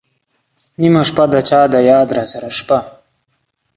نېمه شپه ، د چا د یاد راسره شپه